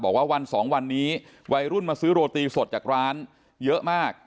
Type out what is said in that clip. บอกว่าวันสองวันนี้วัยรุ่นมาซื้อโรตีสดจากร้านเยอะมาก